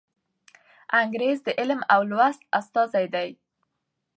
انګریز د علم او لوست استازی دی.